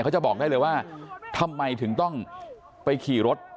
เขาจะบอกได้เลยว่าทำไมถึงต้องไปขี่รถ